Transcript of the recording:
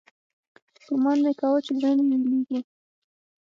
ګومان مې كاوه چې زړه مې ويلېږي.